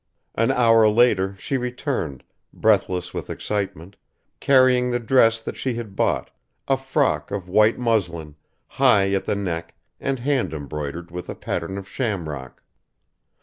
An hour later she returned, breathless with excitement, carrying the dress that she had bought, a frock of white muslin, high at the neck and hand embroidered with a pattern of shamrock.